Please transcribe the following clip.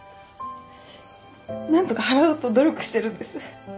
なんとか払おうと努力しているんです。